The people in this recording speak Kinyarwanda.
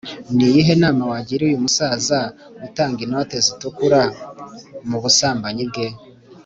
ni iyihe nama wagira uyu musaza utanga inote zitukura mu busambanyi bwe?